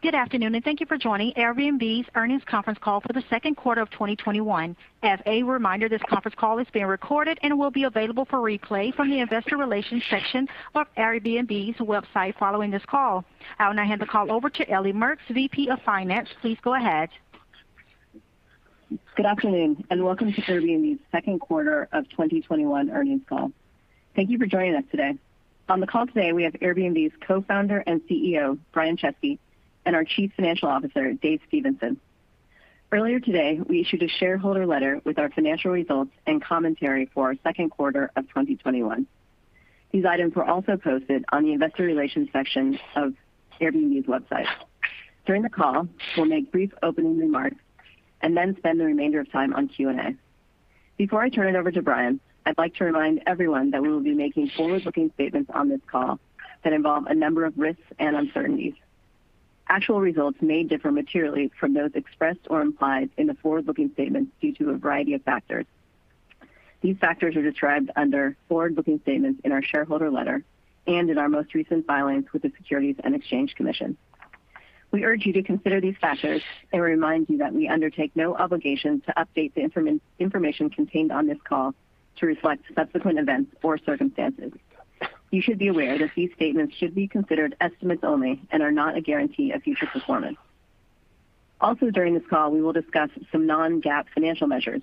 Good afternoon. Thank you for joining Airbnb's earnings conference call for the second quarter of 2021. As a reminder, this conference call is being recorded and will be available for replay from the investor relations section of Airbnb's website following this call. I will now hand the call over to Ellie Mertz, VP of Finance. Please go ahead. Good afternoon, welcome to Airbnb's second quarter of 2021 earnings call. Thank you for joining us today. On the call today, we have Airbnb's Co-founder and CEO, Brian Chesky, and our Chief Financial Officer, Dave Stephenson. Earlier today, we issued a shareholder letter with our financial results and commentary for our second quarter of 2021. These items were also posted on the investor relations section of Airbnb's website. During the call, we'll make brief opening remarks and then spend the remainder of time on Q&A. Before I turn it over to Brian, I'd like to remind everyone that we will be making forward-looking statements on this call that involve a number of risks and uncertainties. Actual results may differ materially from those expressed or implied in the forward-looking statements due to a variety of factors. These factors are described under forward-looking statements in our shareholder letter and in our most recent filings with the Securities and Exchange Commission. We urge you to consider these factors and remind you that we undertake no obligation to update the information contained on this call to reflect subsequent events or circumstances. You should be aware that these statements should be considered estimates only and are not a guarantee of future performance. Also during this call, we will discuss some non-GAAP financial measures.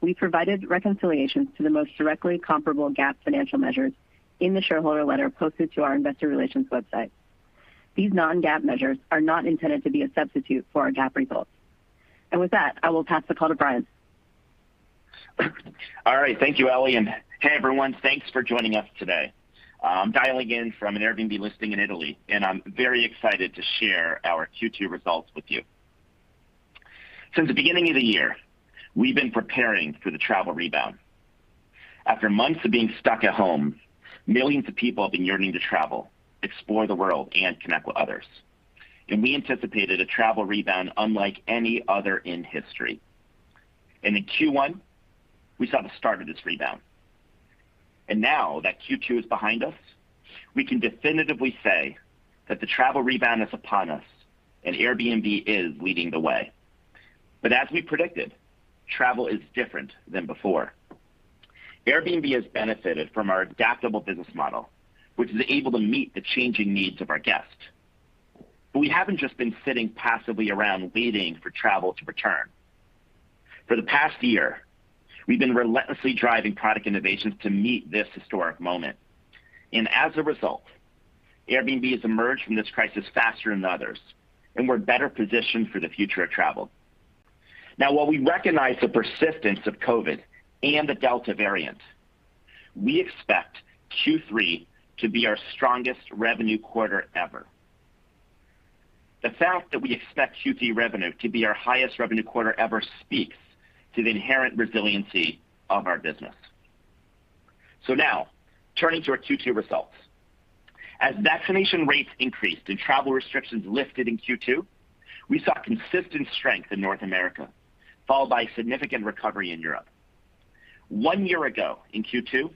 We provided reconciliations to the most directly comparable GAAP financial measures in the shareholder letter posted to our investor relations website. These non-GAAP measures are not intended to be a substitute for our GAAP results. With that, I will pass the call to Brian. All right. Thank you, Ellie. Hey, everyone. Thanks for joining us today. I'm dialing in from an Airbnb listing in Italy, and I'm very excited to share our Q2 results with you. Since the beginning of the year, we've been preparing for the travel rebound. After months of being stuck at home, millions of people have been yearning to travel, explore the world, and connect with others. We anticipated a travel rebound unlike any other in history. In Q1, we saw the start of this rebound. Now that Q2 is behind us, we can definitively say that the travel rebound is upon us, and Airbnb is leading the way. As we predicted, travel is different than before. Airbnb has benefited from our adaptable business model, which is able to meet the changing needs of our guests. We haven't just been sitting passively around waiting for travel to return. For the past year, we've been relentlessly driving product innovations to meet this historic moment, and as a result, Airbnb has emerged from this crisis faster than others, and we're better positioned for the future of travel. While we recognize the persistence of COVID and the Delta variant, we expect Q3 to be our strongest revenue quarter ever. The fact that we expect Q3 revenue to be our highest revenue quarter ever speaks to the inherent resiliency of our business. Now, turning to our Q2 results. As vaccination rates increased and travel restrictions lifted in Q2, we saw consistent strength in North America, followed by significant recovery in Europe. One year ago in Q2,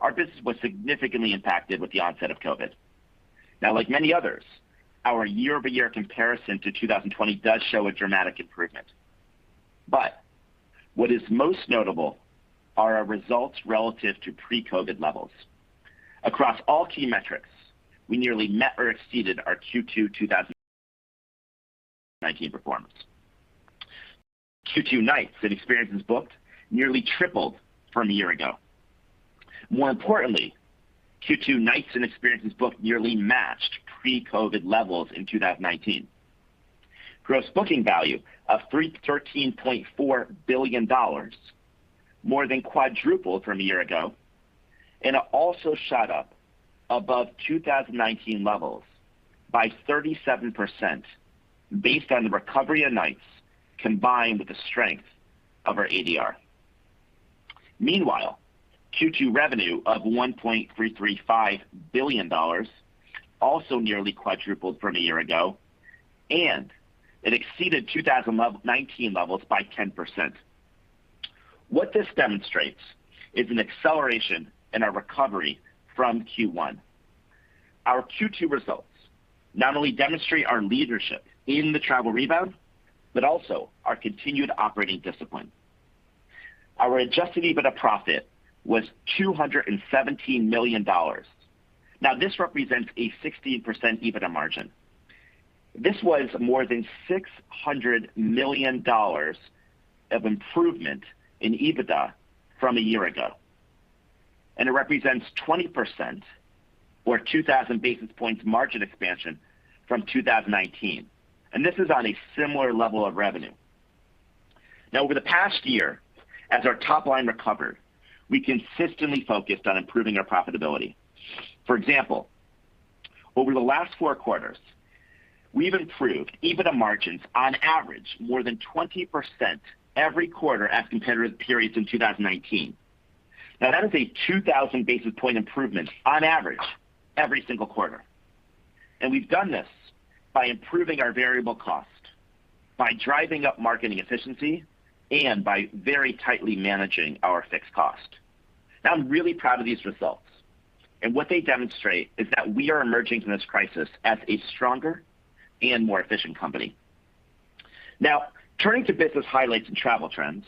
our business was significantly impacted with the onset of COVID. Like many others, our year-over-year comparison to 2020 does show a dramatic improvement. What is most notable are our results relative to pre-COVID levels. Across all key metrics, we nearly met or exceeded our Q2 2019 performance. Q2 nights and experiences booked nearly tripled from a year ago. More importantly, Q2 nights and experiences booked nearly matched pre-COVID levels in 2019. Gross Booking Value of $313.4 billion, more than quadrupled from a year ago, and it also shot up above 2019 levels by 37%, based on the recovery of nights combined with the strength of our ADR. Meanwhile, Q2 revenue of $1.335 billion also nearly quadrupled from a year ago, and it exceeded 2019 levels by 10%. What this demonstrates is an acceleration in our recovery from Q1. Our Q2 results not only demonstrate our leadership in the travel rebound, but also our continued operating discipline. Our adjusted EBITDA profit was $217 million. This represents a 16% EBITDA margin. This was more than $600 million of improvement in EBITDA from a year ago, and it represents 20%, or 2,000 basis points margin expansion from 2019. This is on a similar level of revenue. Over the past year, as our top line recovered, we consistently focused on improving our profitability. For example, over the last four quarters, we've improved EBITDA margins on average more than 20% every quarter as compared with the periods in 2019. That is a 2,000 basis point improvement on average every single quarter. We've done this by improving our variable cost, by driving up marketing efficiency and by very tightly managing our fixed cost. I'm really proud of these results, and what they demonstrate is that we are emerging from this crisis as a stronger and more efficient company. Turning to business highlights and travel trends.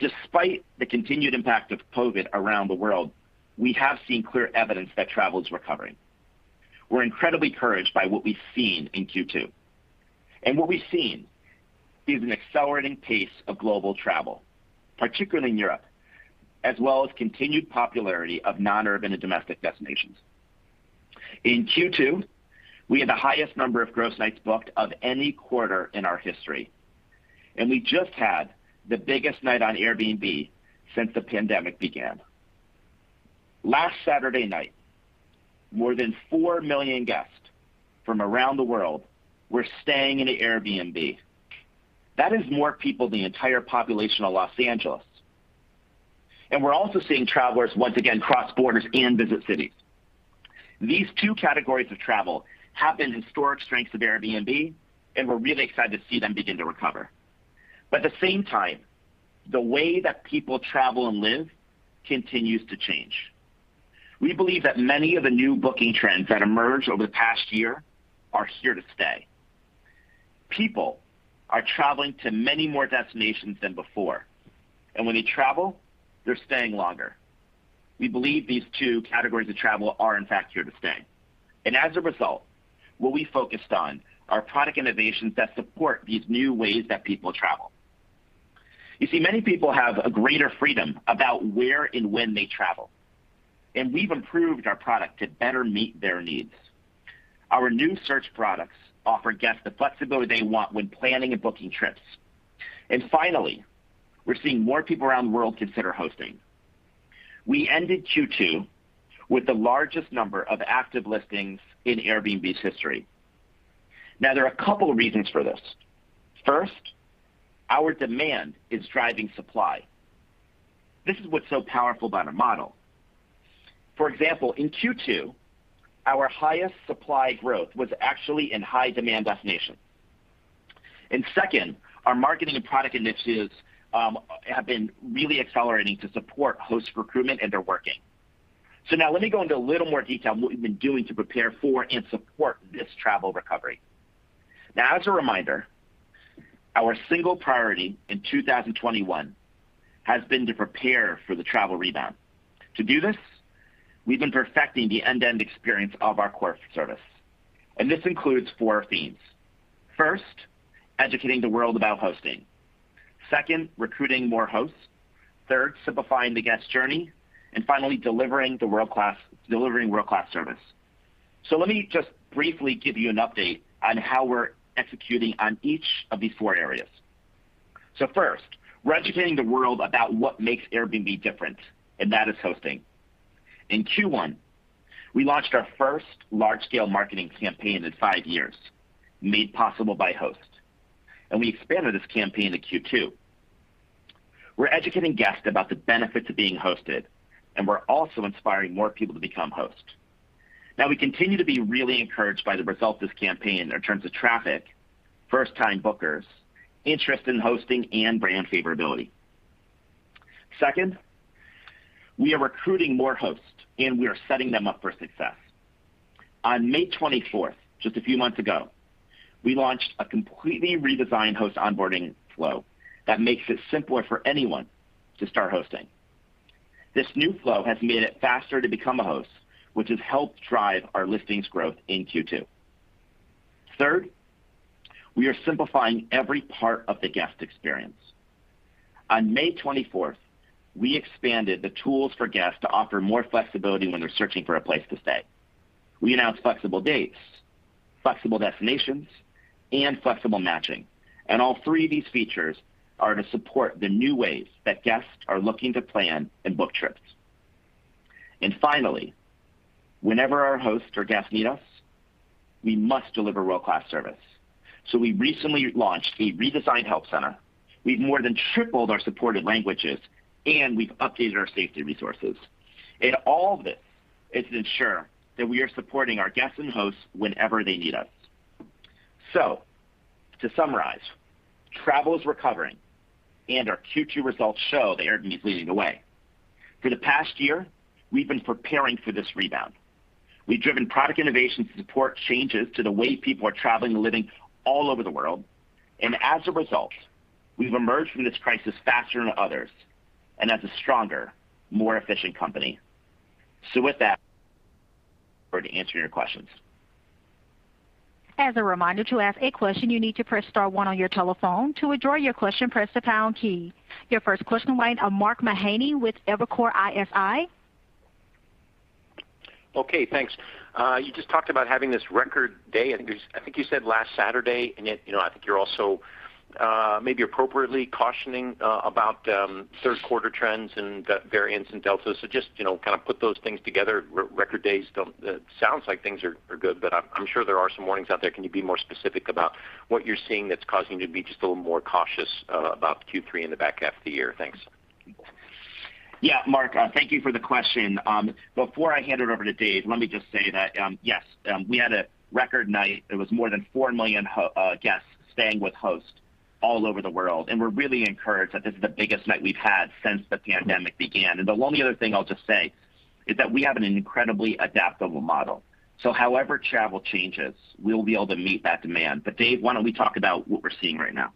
Despite the continued impact of COVID around the world, we have seen clear evidence that travel is recovering. We're incredibly encouraged by what we've seen in Q2, and what we've seen is an accelerating pace of global travel, particularly in Europe, as well as continued popularity of non-urban and domestic destinations. In Q2, we had the highest number of gross nights booked of any quarter in our history, and we just had the biggest night on Airbnb since the pandemic began. Last Saturday night, more than 4 million guests from around the world were staying in an Airbnb. That is more people than the entire population of Los Angeles. We're also seeing travelers once again cross borders and visit cities. These two categories of travel have been historic strengths of Airbnb, and we're really excited to see them begin to recover. At the same time, the way that people travel and live continues to change. We believe that many of the new booking trends that emerged over the past year are here to stay. People are traveling to many more destinations than before, and when they travel, they're staying longer. We believe these two categories of travel are, in fact, here to stay. As a result, what we focused on are product innovations that support these new ways that people travel. You see, many people have a greater freedom about where and when they travel, and we've improved our product to better meet their needs. Our new search products offer guests the flexibility they want when planning and booking trips. Finally, we're seeing more people around the world consider hosting. We ended Q2 with the largest number of active listings in Airbnb's history. There are a couple of reasons for this. First, our demand is driving supply. This is what's so powerful about our model. For example, in Q2, our highest supply growth was actually in high-demand destinations. Second, our marketing and product initiatives have been really accelerating to support host recruitment, and they're working. Let me go into a little more detail on what we've been doing to prepare for and support this travel recovery. As a reminder, our single priority in 2021 has been to prepare for the travel rebound. To do this, we've been perfecting the end-to-end experience of our core service, and this includes four themes. First, educating the world about hosting. Second, recruiting more hosts. Third, simplifying the guest journey. Finally, delivering world-class service. Let me just briefly give you an update on how we're executing on each of these four areas. First, we're educating the world about what makes Airbnb different, and that is hosting. In Q1, we launched our first large-scale marketing campaign in five years, Made Possible by Hosts, and we expanded this campaign to Q2. We're educating guests about the benefits of being hosted, and we're also inspiring more people to become hosts. Now, we continue to be really encouraged by the results of this campaign in terms of traffic, first-time bookers, interest in hosting, and brand favorability. Second, we are recruiting more hosts, and we are setting them up for success. On May 24th, just a few months ago, we launched a completely redesigned host onboarding flow that makes it simpler for anyone to start hosting. This new flow has made it faster to become a host, which has helped drive our listings growth in Q2. Third, we are simplifying every part of the guest experience. On May 24th, we expanded the tools for guests to offer more flexibility when they're searching for a place to stay. We announced Flexible Dates, Flexible Destinations, and Flexible Matching, and all three of these features are to support the new ways that guests are looking to plan and book trips. Finally, whenever our hosts or guests need us, we must deliver world-class service. We recently launched a redesigned help center. We've more than tripled our supported languages. We've updated our safety resources. All of this is to ensure that we are supporting our guests and hosts whenever they need us. To summarize, travel is recovering, and our Q2 results show that Airbnb is leading the way. For the past year, we've been preparing for this rebound. We've driven product innovation to support changes to the way people are traveling and living all over the world. As a result, we've emerged from this crisis faster than others and as a stronger, more efficient company. With that, over to answer your questions. As a reminder, to ask a question, you need to press star one on your telephone. To withdraw your question, press the pound key. Your first question, line of Mark Mahaney with Evercore ISI. Okay, thanks. You just talked about having this record day, I think you said last Saturday, and yet I think you're also maybe appropriately cautioning about third quarter trends and variants and Delta. Just kind of put those things together. Record days, it sounds like things are good, but I'm sure there are some warnings out there. Can you be more specific about what you're seeing that's causing you to be just a little more cautious about Q3 in the back half of the year? Thanks. Yeah, Mark, thank you for the question. Before I hand it over to Dave, let me just say that, yes, we had a record night. It was more than 4 million guests staying with hosts all over the world, and we're really encouraged that this is the biggest night we've had since the pandemic began. The only other thing I'll just say is that we have an incredibly adaptable model, so however travel changes, we'll be able to meet that demand. Dave, why don't we talk about what we're seeing right now?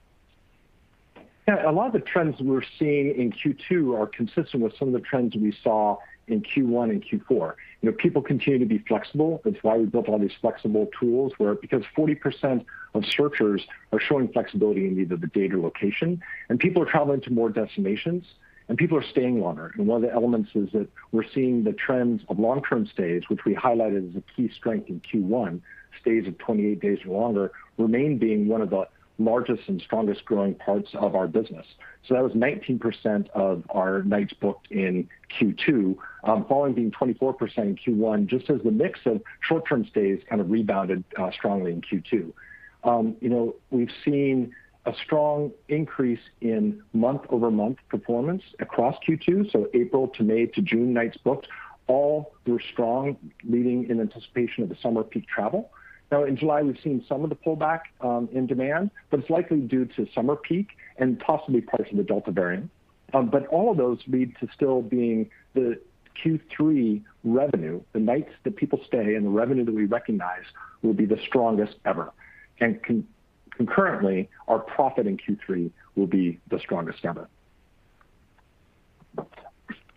A lot of the trends we're seeing in Q2 are consistent with some of the trends we saw in Q1 and Q4. People continue to be flexible. That's why we built all these flexible tools where, because 40% of searchers are showing flexibility in either the date or location, and people are traveling to more destinations, and people are staying longer. One of the elements is that we're seeing the trends of long-term stays, which we highlighted as a key strength in Q1, stays of 28 days or longer remain being one of the largest and strongest growing parts of our business. That was 19% of our nights booked in Q2, following being 24% in Q1, just as the mix of short-term stays kind of rebounded strongly in Q2. We've seen a strong increase in month-over-month performance across Q2, April to May to June nights booked all were strong, leading in anticipation of the summer peak travel. In July, we've seen some of the pullback in demand, it's likely due to summer peak and possibly partially the Delta variant. All of those lead to still being the Q3 revenue, the nights that people stay, and the revenue that we recognize will be the strongest ever. Concurrently, our profit in Q3 will be the strongest ever.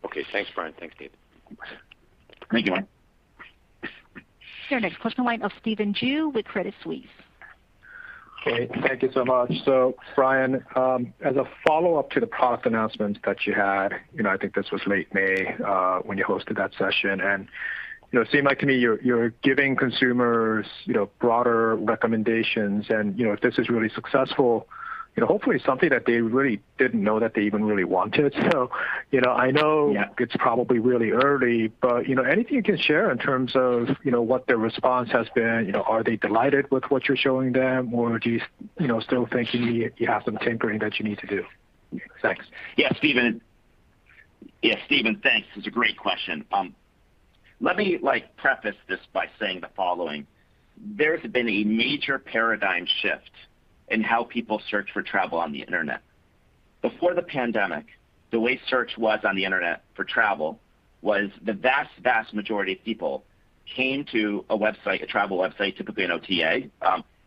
Okay, thanks, Brian. Thanks, Dave. Thank you, Mark. Your next question to the line of Stephen Ju with Credit Suisse. Great. Thank you so much. Brian, as a follow-up to the product announcements that you had, I think this was late May, when you hosted that session, and seemed like to me you're giving consumers broader recommendations and, if this is really successful, hopefully something that they really didn't know that they even really wanted. Yeah It's probably really early, but anything you can share in terms of what their response has been? Are they delighted with what you're showing them, or do you still think you have some tinkering that you need to do? Thanks. Yeah, Stephen. Thanks. It's a great question. Let me preface this by saying the following. There's been a major paradigm shift in how people search for travel on the internet. Before the pandemic, the way search was on the internet for travel was the vast majority of people came to a travel website, typically an OTA,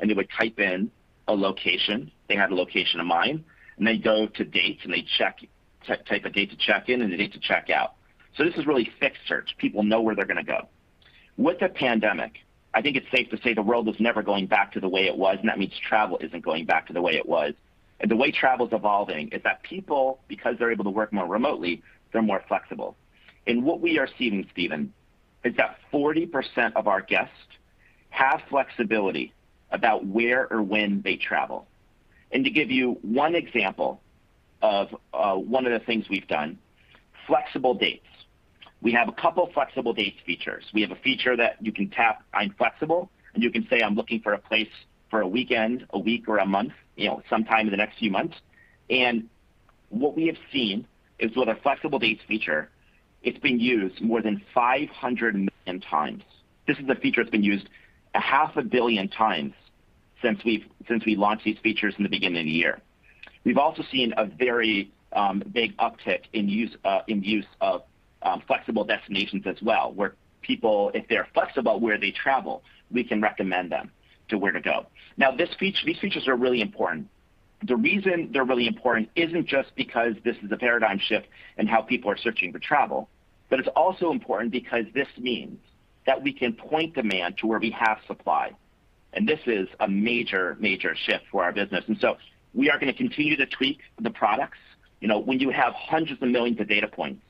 and they would type in a location, they had a location in mind, and they'd go to dates, and they'd type a date to check-in and a date to check out. This is really fixed search. People know where they're going to go. With the pandemic, I think it's safe to say the world is never going back to the way it was, and that means travel isn't going back to the way it was. The way travel's evolving is that people, because they're able to work more remotely, they're more flexible. What we are seeing, Stephen, is that 40% of our guests have flexibility about where or when they travel. To give you one example of one of the things we've done, flexible dates. We have a couple flexible dates features. We have a feature that you can tap, "I'm flexible," and you can say, "I'm looking for a place for a weekend, a week, or a month, sometime in the next few months." What we have seen is, with our flexible dates feature, it's been used more than 500 million times. This is a feature that's been used a half a billion times since we launched these features in the beginning of the year. We've also seen a very big uptick in use of flexible destinations as well, where people, if they're flexible where they travel, we can recommend them to where to go. These features are really important. The reason they're really important isn't just because this is a paradigm shift in how people are searching for travel, but it's also important because this means that we can point demand to where we have supply, and this is a major shift for our business. We are going to continue to tweak the products. When you have hundreds of millions of data points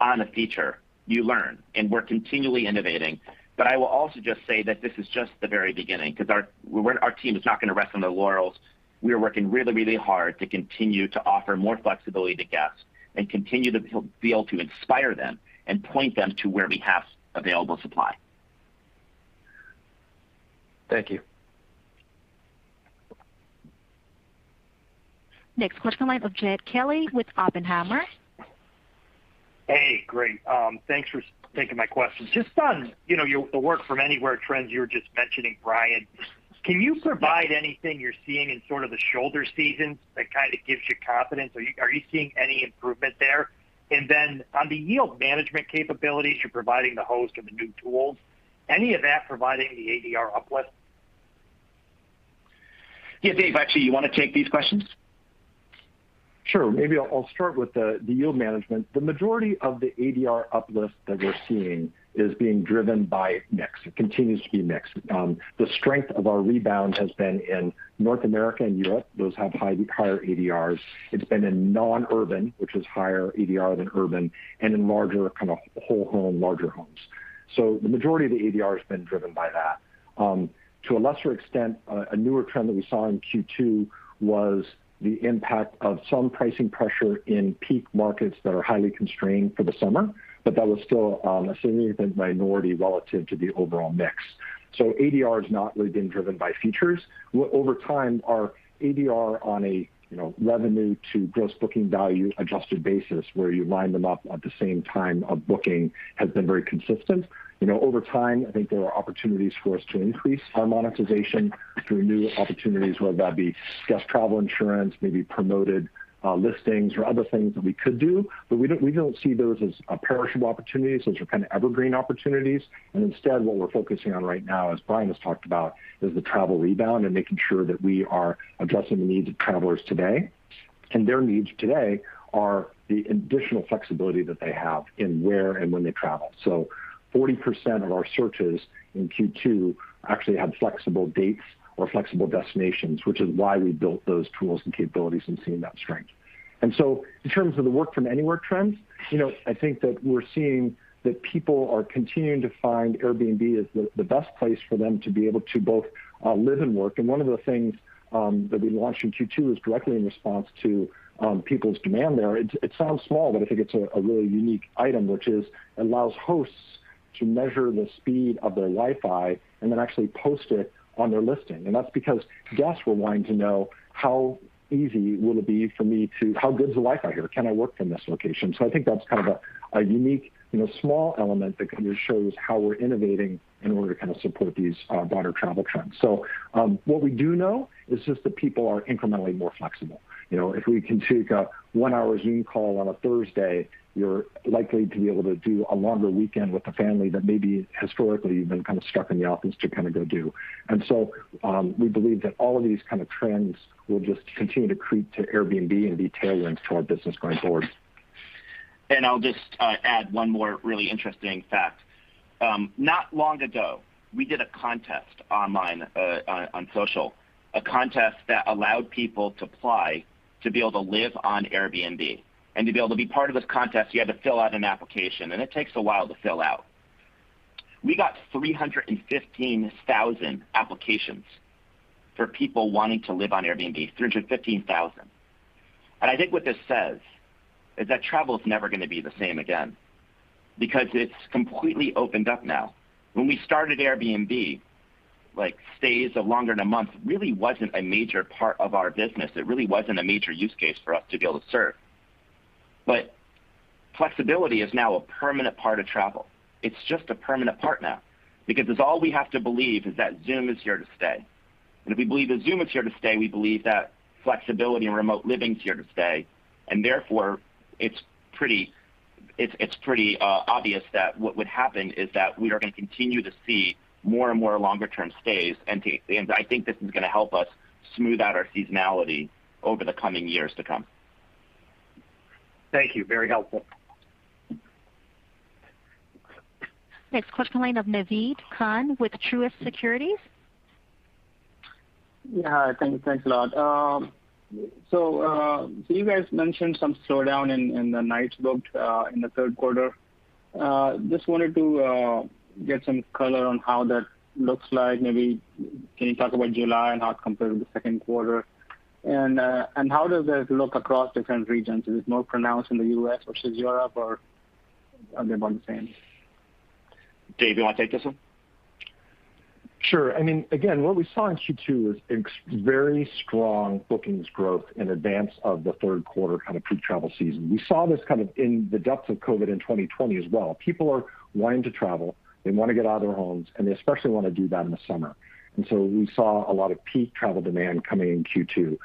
on a feature, you learn, and we're continually innovating. I will also just say that this is just the very beginning, because our team is not going to rest on their laurels. We are working really hard to continue to offer more flexibility to guests and continue to be able to inspire them and point them to where we have available supply. Thank you. Next question, line of Jed Kelly with Oppenheimer. Hey, great. Thanks for taking my question. Just on the work from anywhere trends you were just mentioning, Brian, can you provide anything you're seeing in sort of the shoulder seasons that kind of gives you confidence, or are you seeing any improvement there? On the yield management capabilities, you're providing the host of the new tools, any of that providing the ADR uplift? Yeah, Dave, actually, you want to take these questions? Sure. Maybe I'll start with the yield management. The majority of the ADR uplift that we're seeing is being driven by mix. It continues to be mix. The strength of our rebound has been in North America and Europe. Those have higher ADRs. It's been in non-urban, which is higher ADR than urban, and in larger kind of whole home, larger homes. The majority of the ADR has been driven by that. To a lesser extent, a newer trend that we saw in Q2 was the impact of some pricing pressure in peak markets that are highly constrained for the summer, but that was still a significant minority relative to the overall mix. ADR has not really been driven by features. Over time, our ADR on a revenue to Gross Booking Value adjusted basis, where you line them up at the same time of booking, has been very consistent. Over time, I think there are opportunities for us to increase our monetization through new opportunities, whether that be guest travel insurance, maybe promoted listings, or other things that we could do, but we don't see those as perishable opportunities. Those are kind of evergreen opportunities. Instead, what we're focusing on right now, as Brian Chesky has talked about, is the travel rebound and making sure that we are addressing the needs of travelers today. Their needs today are the additional flexibility that they have in where and when they travel. 40% of our searches in Q2 actually had flexible dates or flexible destinations, which is why we built those tools and capabilities and seeing that strength. In terms of the work from anywhere trends, I think that we're seeing that people are continuing to find Airbnb as the best place for them to be able to both live and work. One of the things that we launched in Q2 is directly in response to people's demand there. It sounds small, but I think it's a really unique item, which allows hosts to measure the speed of their Wi-Fi and then actually post it on their listing. That's because guests were wanting to know how good is the Wi-Fi here? Can I work from this location? I think that's kind of a unique, small element that kind of shows how we're innovating in order to kind of support these broader travel trends. What we do know is just that people are incrementally more flexible. If we can take a one-hour Zoom call on a Thursday, you're likely to be able to do a longer weekend with the family that maybe historically you've been kind of stuck in the office to go do. We believe that all of these kind of trends will just continue to accrete to Airbnb and be tailwinds to our business going forward. I'll just add one more really interesting fact. Not long ago, we did a contest online, on social. A contest that allowed people to apply to be able to live on Airbnb. To be able to be part of this contest, you had to fill out an application, and it takes a while to fill out. We got 315,000 applications for people wanting to live on Airbnb. I think what this says is that travel is never going to be the same again, because it's completely opened up now. When we started Airbnb, stays of longer than a month really wasn't a major part of our business. It really wasn't a major use case for us to be able to serve. Flexibility is now a permanent part of travel. It's just a permanent part now. If all we have to believe is that Zoom is here to stay, and if we believe that Zoom is here to stay, we believe that flexibility and remote living is here to stay, and therefore, it's pretty obvious that what would happen is that we are going to continue to see more and more longer-term stays. I think this is going to help us smooth out our seasonality over the coming years to come. Thank you. Very helpful. Next question, line of Naved Khan with Truist Securities. Yeah. Thanks a lot. You guys mentioned some slowdown in the nights booked in the third quarter. Just wanted to get some color on how that looks like. Maybe can you talk about July and how it compared to the second quarter? How does that look across different regions? Is it more pronounced in the U.S. versus Europe, or are they about the same? Dave, you want to take this one? Sure. Again, what we saw in Q2 is very strong bookings growth in advance of the third quarter kind of peak travel season. We saw this kind of in the depths of COVID in 2020 as well. People are wanting to travel. They want to get out of their homes, and they especially want to do that in the summer. We saw a lot of peak travel demand coming in Q2.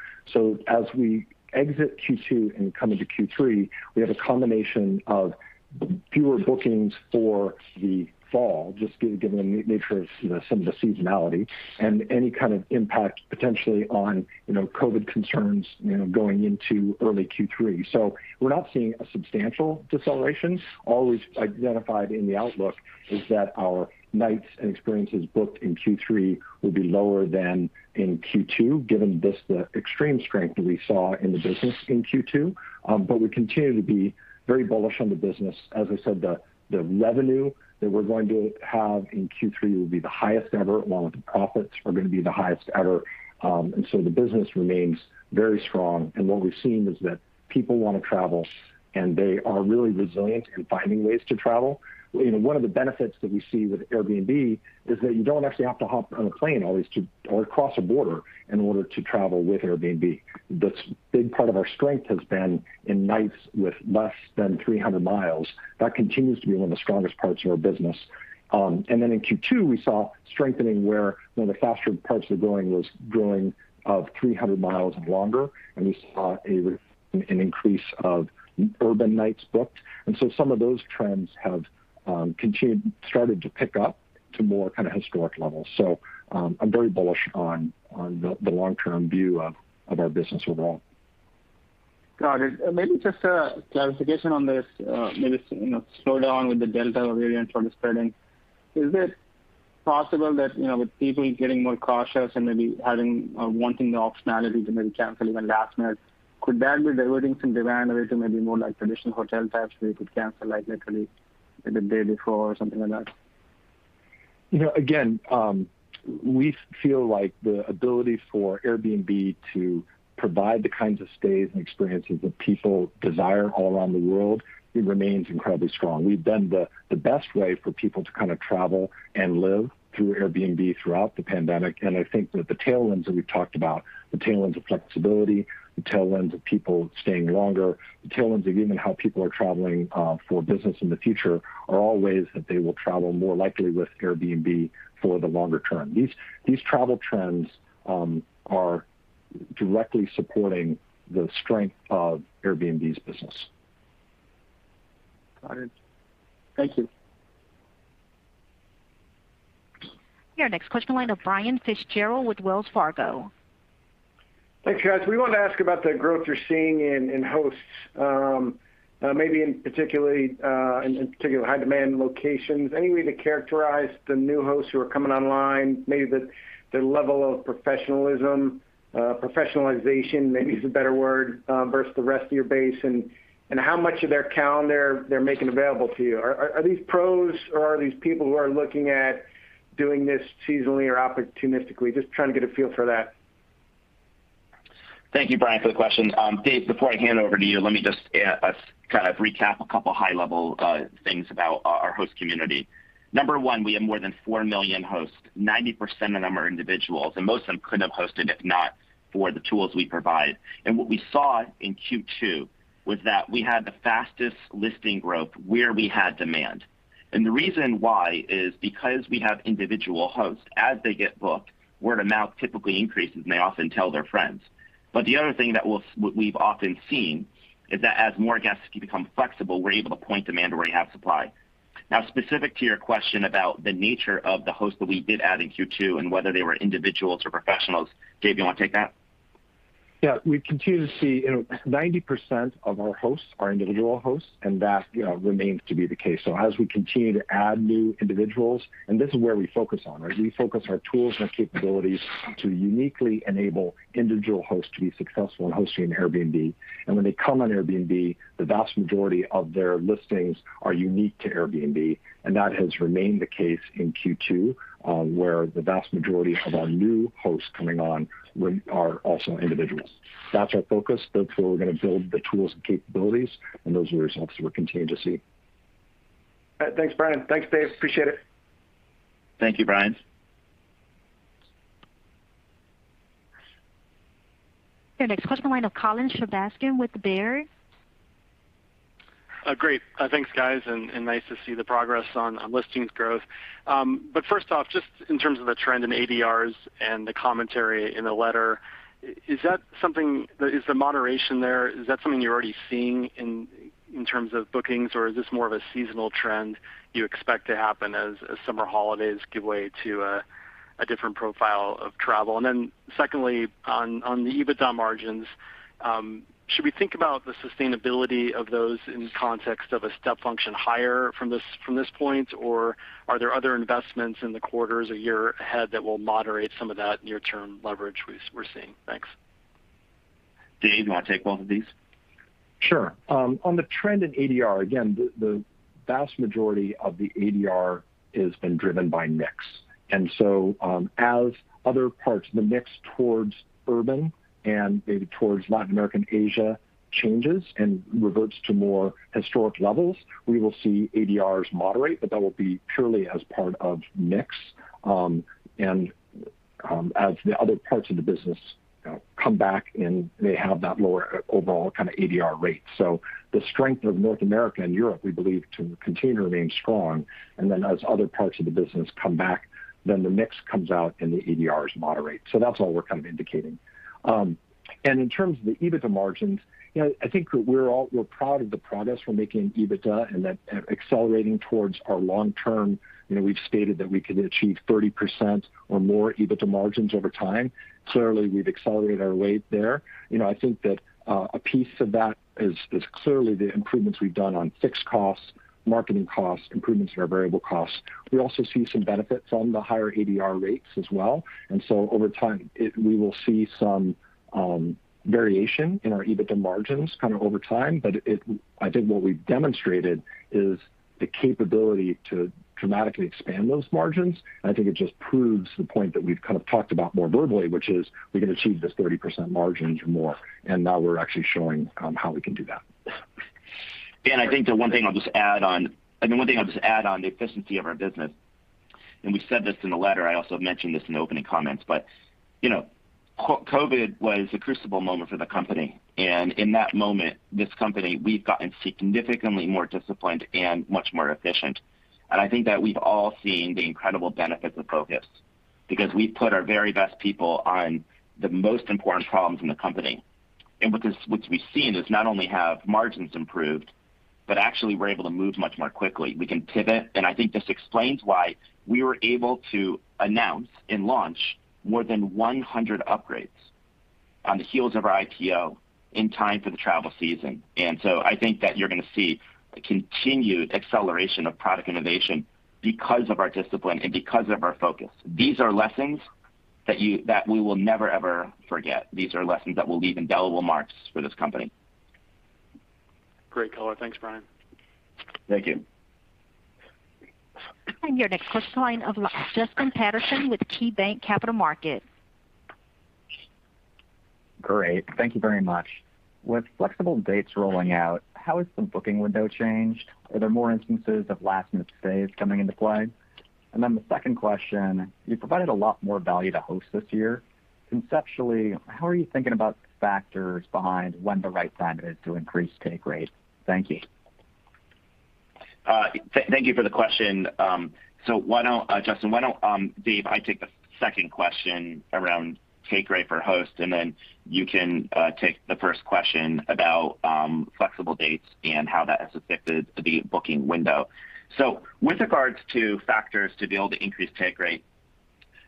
As we exit Q2 and come into Q3, we have a combination of fewer bookings for the fall, just given the nature of some of the seasonality, and any kind of impact potentially on COVID concerns going into early Q3. We're not seeing a substantial deceleration. All we've identified in the outlook is that our nights and experiences booked in Q3 will be lower than in Q2, given just the extreme strength that we saw in the business in Q2. We continue to be very bullish on the business. As I said, the revenue that we're going to have in Q3 will be the highest ever, along with the profits are going to be the highest ever. The business remains very strong, and what we've seen is that people want to travel, and they are really resilient in finding ways to travel. One of the benefits that we see with Airbnb is that you don't actually have to hop on a plane always or cross a border in order to travel with Airbnb. The big part of our strength has been in nights with less than 300 mi. That continues to be one of the strongest parts of our business. In Q2, we saw strengthening where one of the faster parts of the growing was growing of 300 mi and longer, and we saw an increase of urban nights booked. Some of those trends have started to pick up to more kind of historic levels. I'm very bullish on the long-term view of our business overall. Got it. Maybe just a clarification on this. Maybe slowdown with the Delta variant sort of spreading. Is it possible that with people getting more cautious and maybe having or wanting the optionality to maybe cancel even last minute, could that be diverting some demand away to maybe more like traditional hotel types where you could cancel like literally the day before or something like that? Again, we feel like the ability for Airbnb to provide the kinds of stays and experiences that people desire all around the world remains incredibly strong. We've been the best way for people to travel and live through Airbnb throughout the pandemic. I think that the tailwinds that we've talked about, the tailwinds of flexibility, the tailwinds of people staying longer, the tailwinds of even how people are traveling for business in the future, are all ways that they will travel more likely with Airbnb for the longer term. These travel trends are directly supporting the strength of Airbnb's business. Got it. Thank you. Your next question, line of Brian Fitzgerald with Wells Fargo. Thanks, guys. We wanted to ask about the growth you're seeing in hosts, maybe in particular high-demand locations. Any way to characterize the new hosts who are coming online, maybe the level of professionalism, professionalization maybe is a better word, versus the rest of your base, and how much of their calendar they're making available to you? Are these pros, or are these people who are looking at doing this seasonally or opportunistically? Just trying to get a feel for that. Thank you, Brian, for the question. Dave, before I hand over to you, let me just recap a couple high-level things about our host community. Number one, we have more than 4 million hosts. 90% of them are individuals, most of them couldn't have hosted if not for the tools we provide. What we saw in Q2 was that we had the fastest listing growth where we had demand. The reason why is because we have individual hosts, as they get booked, word of mouth typically increases, and they often tell their friends. The other thing that we've often seen is that as more guests become flexible, we're able to point demand where we have supply. Now, specific to your question about the nature of the hosts that we did add in Q2 and whether they were individuals or professionals, Dave, you want to take that? Yeah. We continue to see 90% of our hosts are individual hosts. That remains to be the case. As we continue to add new individuals, this is where we focus on. We focus our tools and our capabilities to uniquely enable individual hosts to be successful in hosting on Airbnb. When they come on Airbnb, the vast majority of their listings are unique to Airbnb. That has remained the case in Q2, where the vast majority of our new hosts coming on are also individuals. That's our focus. That's where we're going to build the tools and capabilities. Those are the results that we're continuing to see. Thanks, Brian. Thanks, Dave. Appreciate it. Thank you, Brian. Your next question, line of Colin Sebastian with Baird. Great. Thanks, guys, and nice to see the progress on listings growth. First off, just in terms of the trend in ADRs and the commentary in the letter, is the moderation there, is that something you're already seeing in terms of bookings, or is this more of a seasonal trend you expect to happen as summer holidays give way to a different profile of travel? Secondly, on the EBITDA margins, should we think about the sustainability of those in context of a step function higher from this point, or are there other investments in the quarters or year ahead that will moderate some of that near-term leverage we're seeing? Thanks. Dave, you want to take both of these? Sure. The trend in ADR, again, the vast majority of the ADR has been driven by mix. As other parts of the mix towards urban and maybe towards Latin America, Asia changes and reverts to more historic levels, we will see ADRs moderate, that will be purely as part of mix, as the other parts of the business come back and they have that lower overall ADR rate. The strength of North America and Europe, we believe, to continue to remain strong. As other parts of the business come back, then the mix comes out and the ADRs moderate. That's all we're indicating. In terms of the EBITDA margins, I think we're proud of the progress we're making in EBITDA and that accelerating towards our long-term. We've stated that we could achieve 30% or more EBITDA margins over time. Clearly, we've accelerated our rate there. I think that a piece of that is clearly the improvements we've done on fixed costs, marketing costs, improvements in our variable costs. We also see some benefits on the higher ADR rates as well. Over time, we will see some variation in our EBITDA margins over time. I think what we've demonstrated is the capability to dramatically expand those margins. I think it just proves the point that we've talked about more verbally, which is we can achieve this 30% margins or more, and now we're actually showing how we can do that. I think that one thing I'll just add on the efficiency of our business, and we said this in the letter, I also mentioned this in the opening comments, but COVID was a crucible moment for the company. In that moment, this company, we've gotten significantly more disciplined and much more efficient. I think that we've all seen the incredible benefits of focus because we put our very best people on the most important problems in the company. What we've seen is not only have margins improved, but actually, we're able to move much more quickly. We can pivot, and I think this explains why we were able to announce and launch more than 100 upgrades on the heels of our IPO in time for the travel season. I think that you're going to see a continued acceleration of product innovation because of our discipline and because of our focus. These are lessons that we will never, ever forget. These are lessons that will leave indelible marks for this company. Great color. Thanks, Brian. Thank you. Your next question line of Justin Patterson with KeyBanc Capital Markets. Great. Thank you very much. With flexible dates rolling out, how has the booking window changed? Are there more instances of last-minute stays coming into play? The second question, you provided a lot more value to hosts this year. Conceptually, how are you thinking about factors behind when the right time is to increase take rate? Thank you. Thank you for the question. Justin, why don't, Dave, I take the second question around take rate for hosts, and then you can take the first question about flexible dates and how that has affected the booking window. With regards to factors to be able to increase take rate,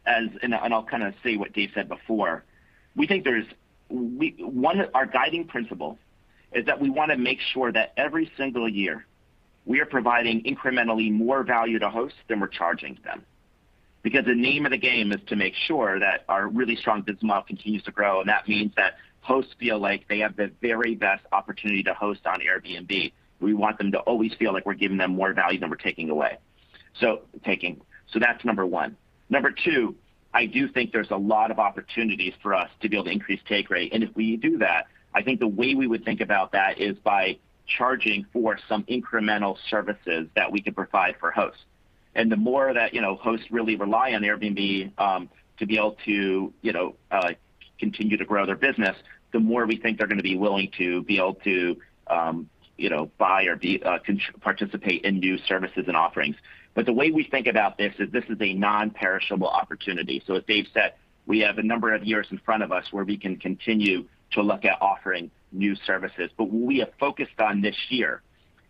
and I'll kind of say what Dave said before. Our guiding principle is that we want to make sure that every single year we are providing incrementally more value to hosts than we're charging them. The name of the game is to make sure that our really strong biz model continues to grow, and that means that hosts feel like they have the very best opportunity to host on Airbnb. We want them to always feel like we're giving them more value than we're taking away. That's number one. Number 2, I do think there's a lot of opportunities for us to be able to increase take rate. If we do that, I think the way we would think about that is by charging for some incremental services that we could provide for hosts. The more that hosts really rely on Airbnb, to be able to continue to grow their business, the more we think they're going to be willing to be able to buy or participate in new services and offerings. The way we think about this is this is a non-perishable opportunity. As Dave said, we have a number of years in front of us where we can continue to look at offering new services. What we have focused on this year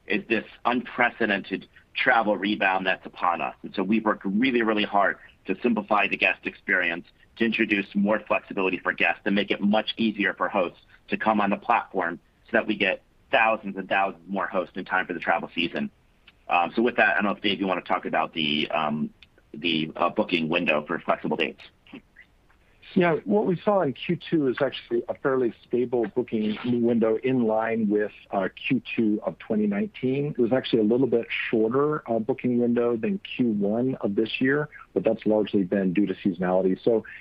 is this unprecedented travel rebound that's upon us. We've worked really, really hard to simplify the guest experience, to introduce more flexibility for guests, to make it much easier for hosts to come on the platform, so that we get thousands and thousands more hosts in time for the travel season. With that, I don't know if, Dave, you want to talk about the booking window for flexible dates. Yeah. What we saw in Q2 is actually a fairly stable booking window in line with Q2 of 2019. It was actually a little bit shorter a booking window than Q1 of this year, but that's largely been due to seasonality.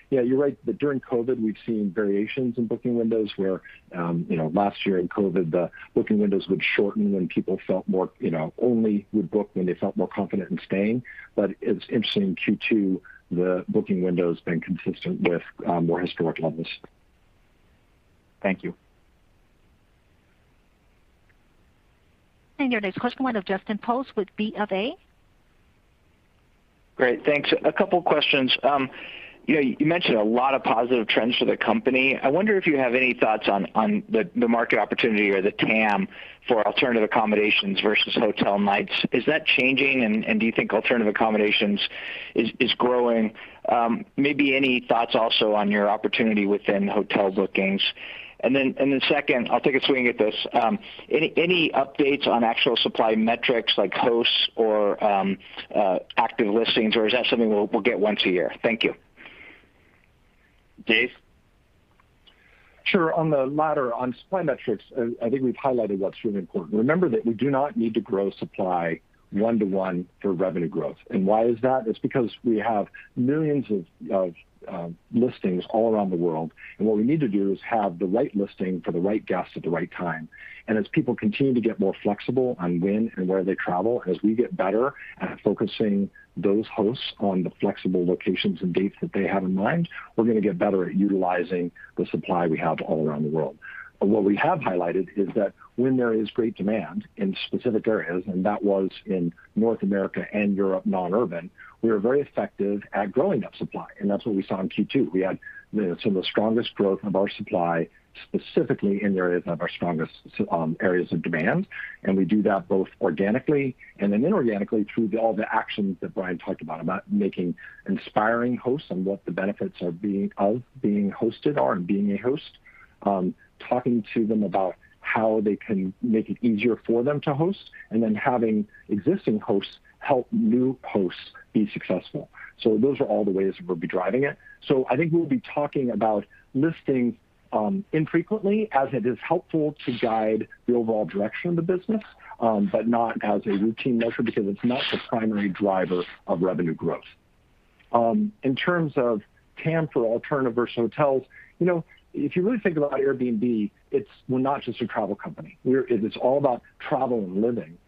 Yeah, you're right that during COVID, we've seen variations in booking windows where, last year in COVID, the booking windows would shorten when people only would book when they felt more confident in staying. It's interesting, in Q2, the booking window's been consistent with more historic levels. Thank you. Your next question, line of Justin Post with Bank of America. Great. Thanks. A couple of questions. You mentioned a lot of positive trends for the company. I wonder if you have any thoughts on the market opportunity or the TAM for alternative accommodations versus hotel nights. Is that changing, and do you think alternative accommodations is growing? Maybe any thoughts also on your opportunity within hotel bookings. Second, I'll take a swing at this. Any updates on actual supply metrics like hosts or active listings, or is that something we'll get once a year? Thank you. Dave? Sure. On the latter, on supply metrics, I think we've highlighted what's really important. Remember that we do not need to grow supply one-to-one for revenue growth. Why is that? It's because we have millions of listings all around the world, and what we need to do is have the right listing for the right guest at the right time. As people continue to get more flexible on when and where they travel, as we get better at focusing those hosts on the flexible locations and dates that they have in mind, we're going to get better at utilizing the supply we have all around the world. What we have highlighted is that when there is great demand in specific areas, and that was in North America and Europe non-urban, we are very effective at growing that supply. That's what we saw in Q2. We had some of the strongest growth of our supply, specifically in the areas of our strongest areas of demand. We do that both organically and then inorganically through all the actions that Brian talked about making inspiring hosts on what the benefits of being hosted are and being a host. Talking to them about how they can make it easier for them to host, and then having existing hosts help new hosts be successful. Those are all the ways we'll be driving it. I think we'll be talking about listings infrequently as it is helpful to guide the overall direction of the business, but not as a routine measure because it's not the primary driver of revenue growth. In terms of TAM for alternative versus hotels, if you really think about Airbnb, we're not just a travel company. It's all about travel and living.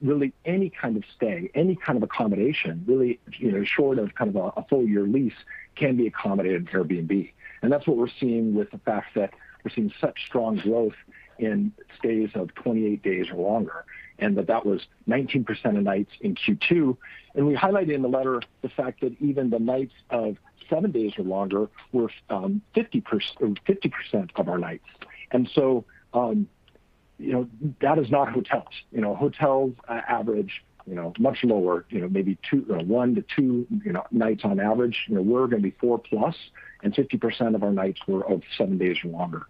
Really any kind of stay, any kind of accommodation, really, short of a full year lease, can be accommodated in Airbnb. That's what we're seeing with the fact that we're seeing such strong growth in stays of 28 days or longer, and that was 19% of nights in Q2. We highlighted in the letter the fact that even the nights of seven days or longer were 50% of our nights. That is not hotels. Hotels average much lower, maybe one to two nights on average. We're going to be 4+, and 50% of our nights were of seven days or longer.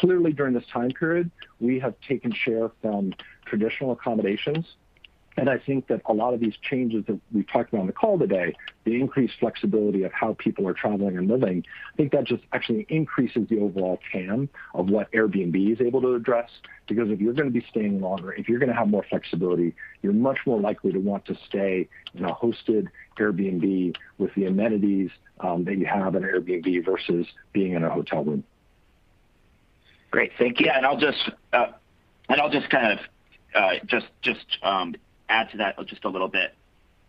Clearly, during this time period, we have taken share from traditional accommodations. I think that a lot of these changes that we've talked about on the call today, the increased flexibility of how people are traveling and living, I think that just actually increases the overall TAM of what Airbnb is able to address. Because if you're going to be staying longer, if you're going to have more flexibility, you're much more likely to want to stay in a hosted Airbnb with the amenities that you have in Airbnb versus being in a hotel room. Great. Thank you. I'll just add to that just a little bit.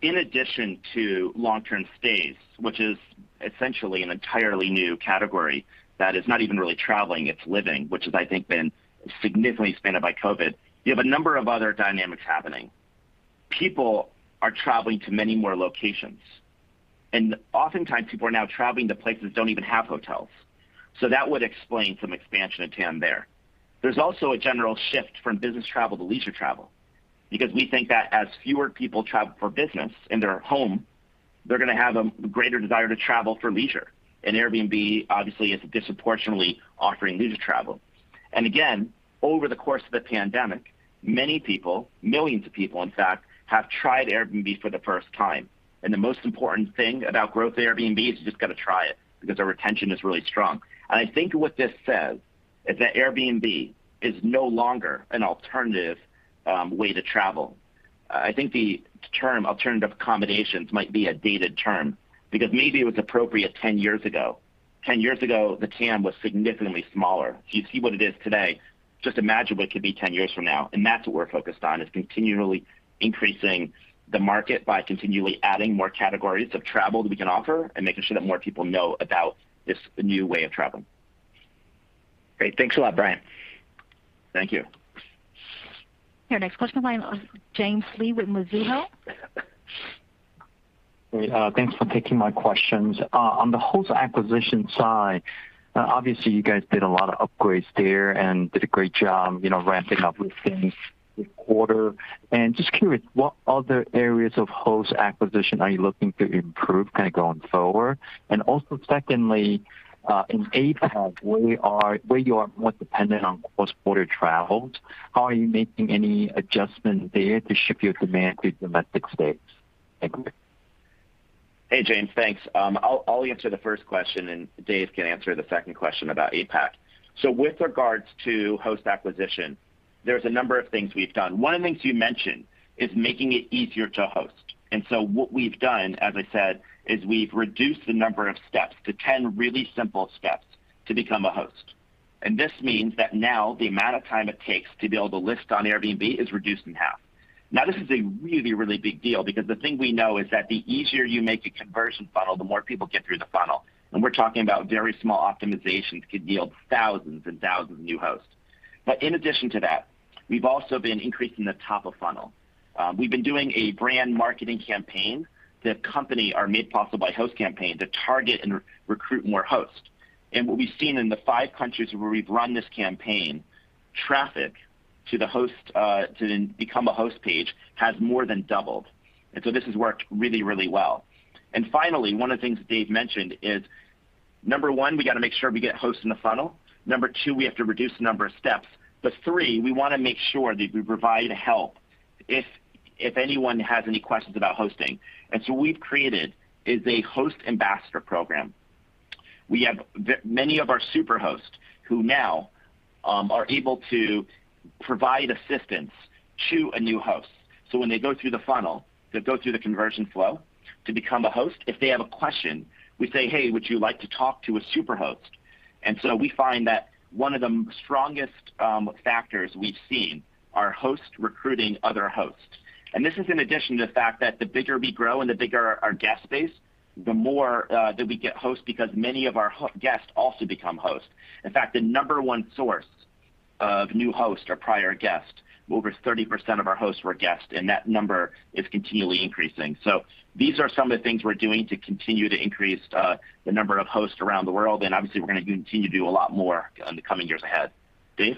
In addition to long-term stays, which is essentially an entirely new category that is not even really traveling, it's living, which has, I think been significantly expanded by COVID. You have a number of other dynamics happening. People are traveling to many more locations, and oftentimes people are now traveling to places that don't even have hotels. That would explain some expansion of TAM there. There's also a general shift from business travel to leisure travel because we think that as fewer people travel for business in their home, they're going to have a greater desire to travel for leisure. Airbnb obviously is disproportionately offering leisure travel. Again, over the course of the pandemic, many people, millions of people in fact, have tried Airbnb for the first time. The most important thing about growth at Airbnb is you just got to try it because our retention is really strong. I think what this says is that Airbnb is no longer an alternative way to travel. I think the term alternative accommodations might be a dated term because maybe it was appropriate 10 years ago. 10 years ago, the TAM was significantly smaller. If you see what it is today, just imagine what it could be 10 years from now. That's what we're focused on, is continually increasing the market by continually adding more categories of travel that we can offer and making sure that more people know about this new way of traveling. Great. Thanks a lot, Brian. Thank you. Your next question line of James Lee with Mizuho. Great. Thanks for taking my questions. On the host acquisition side, obviously you guys did a lot of upgrades there and did a great job ramping up with things this quarter. Just curious, what other areas of host acquisition are you looking to improve going forward? Also secondly, in APAC, where you are more dependent on cross-border travels, how are you making any adjustments there to shift your demand to domestic stays? Thank you. Hey, James. Thanks. I'll answer the first question, Dave can answer the second question about APAC. With regards to host acquisition, there's a number of things we've done. One of the things you mentioned is making it easier to host. What we've done, as I said, is we've reduced the number of steps to 10 really simple steps to become a host. This means that now the amount of time it takes to be able to list on Airbnb is reduced in half. Now, this is a really big deal because the thing we know is that the easier you make a conversion funnel, the more people get through the funnel. We're talking about very small optimizations could yield thousands and thousands of new hosts. In addition to that, we've also been increasing the top of funnel. We've been doing a brand marketing campaign, the company Made Possible by Hosts campaign to target and recruit more hosts. What we've seen in the five countries where we've run this campaign, traffic to the become a host page has more than doubled. This has worked really, really well. Finally, one of the things that Dave Stephenson mentioned is, number one, we got to make sure we get hosts in the funnel. Number two, we have to reduce the number of steps. Three, we want to make sure that we provide help if anyone has any questions about hosting. What we've created is a Host Ambassador Program. We have many of our Superhosts who now are able to provide assistance to a new host. When they go through the funnel, they go through the conversion flow to become a host. If they have a question, we say, "Hey, would you like to talk to a Superhost?" We find that one of the strongest factors we've seen are hosts recruiting other hosts. This is in addition to the fact that the bigger we grow and the bigger our guest base, the more that we get hosts because many of our guests also become hosts. In fact, the number one source of new hosts are prior guests. Over 30% of our hosts were guests, and that number is continually increasing. These are some of the things we're doing to continue to increase the number of hosts around the world, and obviously we're going to continue to do a lot more in the coming years ahead. Dave?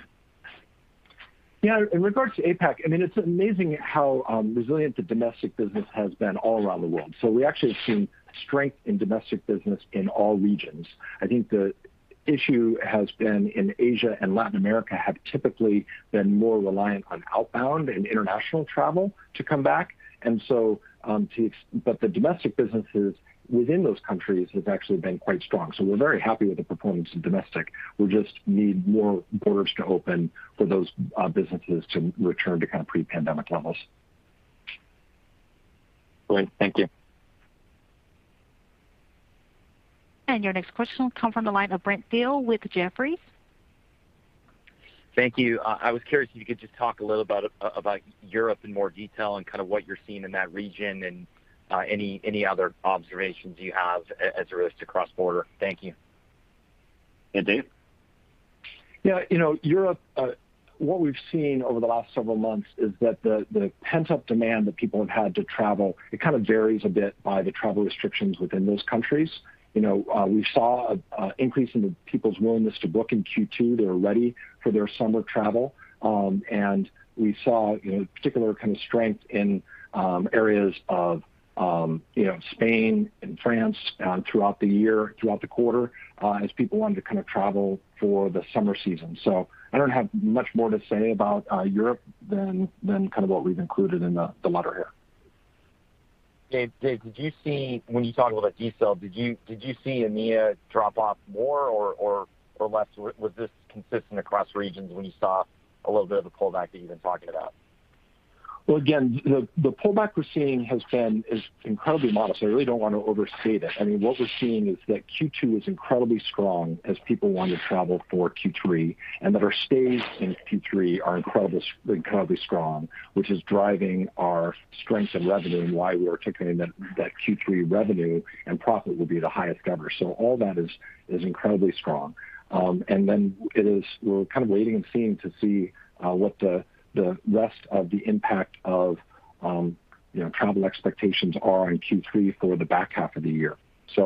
Yeah. In regards to APAC, it's amazing how resilient the domestic business has been all around the world. We actually have seen strength in domestic business in all regions. I think the issue has been in Asia and Latin America have typically been more reliant on outbound and international travel to come back. The domestic businesses within those countries have actually been quite strong. We're very happy with the performance of domestic. We just need more borders to open for those businesses to return to pre-pandemic levels. Great. Thank you. Your next question will come from the line of Brent Thill with Jefferies. Thank you. I was curious if you could just talk a little about Europe in more detail and what you're seeing in that region and any other observations you have as it relates to cross-border. Thank you. Yeah, Dave. Europe, what we've seen over the last several months is that the pent-up demand that people have had to travel, it kind of varies a bit by the travel restrictions within those countries. We saw an increase in the people's willingness to book in Q2. They were ready for their summer travel. We saw a particular kind of strength in areas of Spain and France throughout the year, throughout the quarter, as people wanted to travel for the summer season. I don't have much more to say about Europe than what we've included in the letter here. Dave, when you talk about decel, did you see EMEA drop off more or less? Was this consistent across regions when you saw a little bit of a pullback that you've been talking about? Again, the pullback we're seeing is incredibly modest. I really don't want to overstate it. What we're seeing is that Q2 was incredibly strong as people wanted to travel for Q3, that our stays in Q3 are incredibly strong, which is driving our strength in revenue and why we are anticipating that Q3 revenue and profit will be the highest ever. All that is incredibly strong. We're kind of waiting and seeing to see what the rest of the impact of travel expectations are in Q3 for the back half of the year. I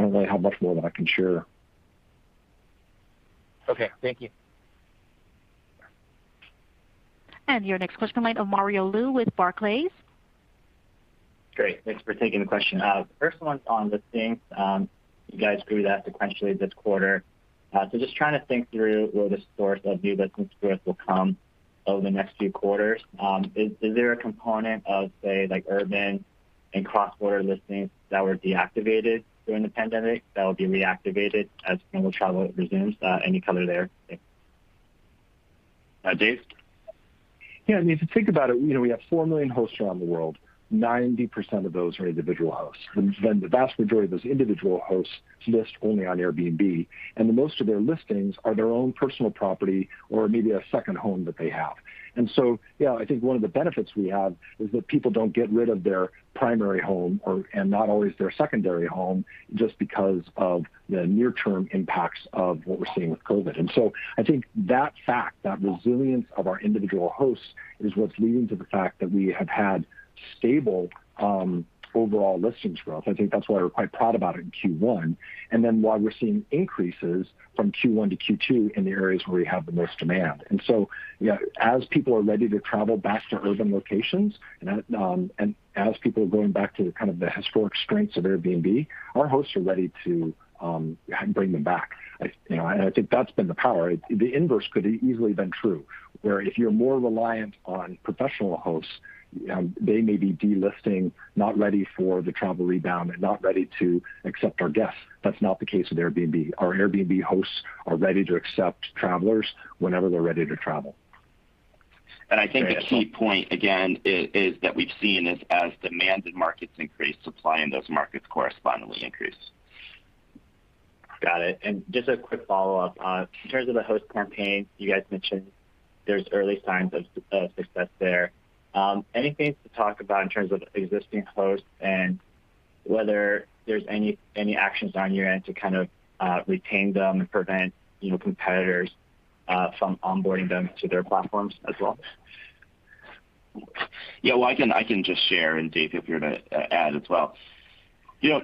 don't know how much more that I can share. Okay. Thank you. Your next question line of Mario Lu with Barclays. Great. Thanks for taking the question. The first one's on listings. You guys grew that sequentially this quarter. Just trying to think through where the source of new listings growth will come over the next few quarters. Is there a component of, say, urban and cross-border listings that were deactivated during the pandemic that will be reactivated as travel resumes? Any color there? Thanks. Dave? If you think about it, we have 4 million hosts around the world. 90% of those are individual hosts. The vast majority of those individual hosts list only on Airbnb, and most of their listings are their own personal property or maybe a second home that they have. I think one of the benefits we have is that people don't get rid of their primary home and not always their secondary home just because of the near-term impacts of what we're seeing with COVID. I think that fact, that resilience of our individual hosts, is what's leading to the fact that we have had stable overall listings growth. I think that's why we're quite proud about it in Q1, why we're seeing increases from Q1 to Q2 in the areas where we have the most demand. Yeah, as people are ready to travel back to urban locations and as people are going back to the historic strengths of Airbnb, our hosts are ready to bring them back. I think that's been the power. The inverse could easily have been true, where if you're more reliant on professional hosts, they may be delisting, not ready for the travel rebound, and not ready to accept our guests. That's not the case with Airbnb. Our Airbnb hosts are ready to accept travelers whenever they're ready to travel. I think the key point, again, is that we've seen is as demand in markets increase, supply in those markets correspondingly increase. Got it. Just a quick follow-up. In terms of the host campaign, you guys mentioned there's early signs of success there. Anything to talk about in terms of existing hosts and whether there's any actions on your end to retain them and prevent competitors from onboarding them to their platforms as well? Yeah. Well, I can just share, and Dave, feel free to add as well.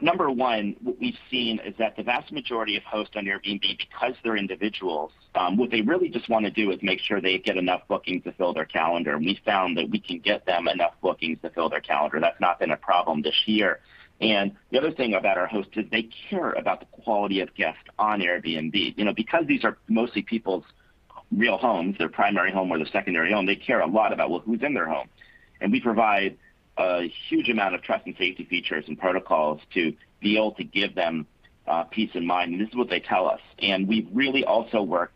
Number one, what we've seen is that the vast majority of hosts on Airbnb, because they're individuals, what they really just want to do is make sure they get enough bookings to fill their calendar, and we found that we can get them enough bookings to fill their calendar. That's not been a problem this year. The other thing about our hosts is they care about the quality of guests on Airbnb. Because these are mostly people's real homes, their primary home or their secondary home, they care a lot about who's in their home. We provide a huge amount of trust and safety features and protocols to be able to give them peace of mind, and this is what they tell us. We really also work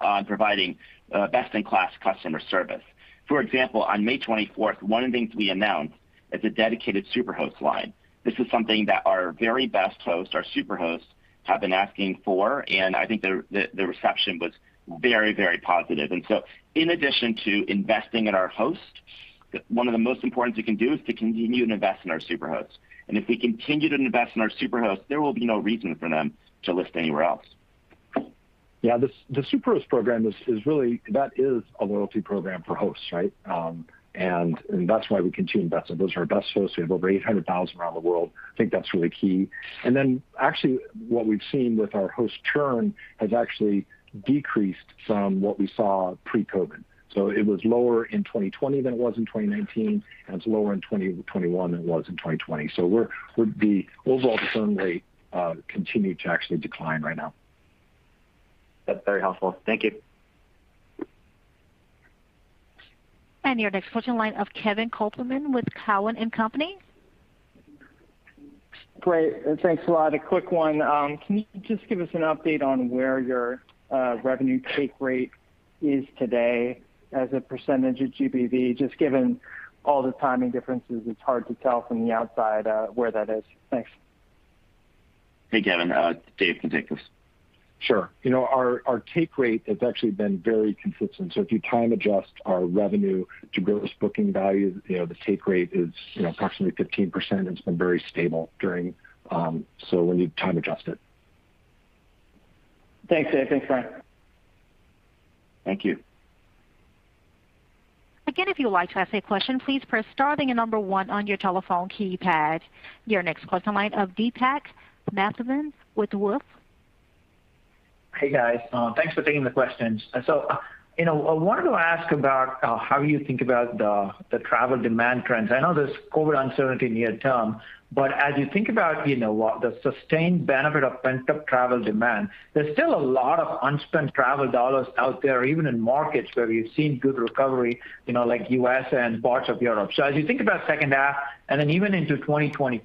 on providing best-in-class customer service. For example, on May 24th, one of the things we announced is a dedicated Superhost line. This is something that our very best hosts, our Superhosts, have been asking for, and I think the reception was very positive. In addition to investing in our hosts, one of the most important we can do is to continue to invest in our Superhosts. If we continue to invest in our Superhosts, there will be no reason for them to list anywhere else. Yeah. The Superhosts program is a loyalty program for hosts, right? That's why we continue to invest in those. Those are our best hosts. We have over 800,000 around the world. I think that's really key. Actually, what we've seen with our host churn has actually decreased from what we saw pre-COVID. It was lower in 2020 than it was in 2019, and it's lower in 2021 than it was in 2020. Those overall churn rate continue to actually decline right now. That's very helpful. Thank you. Your next question line of Kevin Kopelman with Cowen and Company. Great, thanks a lot. A quick one. Can you just give us an update on where your revenue take rate is today as a percentage of GBV? Just given all the timing differences, it's hard to tell from the outside where that is. Thanks. Hey, Kevin. Dave can take this. Sure. Our take rate has actually been very consistent. If you time adjust our revenue to Gross Booking Value, the take rate is approximately 15%, and it's been very stable when you time adjust it. Thanks, Dave. Thanks, Frank. Thank you. If you would like to ask a question, please press star then 1 on your telephone keypad. Your next question line of Deepak Mathivanan with Wolfe. Hey, guys. Thanks for taking the questions. I wanted to ask about how you think about the travel demand trends. I know there's COVID uncertainty near-term, but as you think about the sustained benefit of pent-up travel demand, there's still a lot of unspent travel dollars out there, even in markets where we've seen good recovery, like U.S. and parts of Europe. As you think about second half, and then even into 2022,